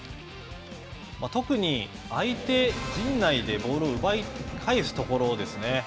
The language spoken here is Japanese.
特に、相手陣内でボールを奪い返すところですね。